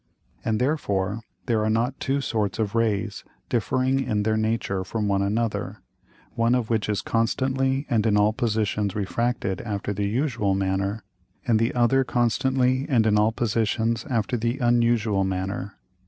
And therefore there are not two sorts of Rays differing in their nature from one another, one of which is constantly and in all Positions refracted after the usual manner, and the other constantly and in all Positions after the unusual manner.